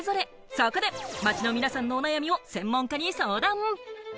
そこで街の皆さんのお悩みを専門家に相談。